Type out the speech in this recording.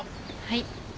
はい！